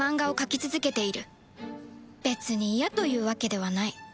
別に嫌というわけではない